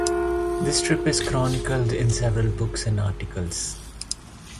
This trip is chronicled in several books and articles.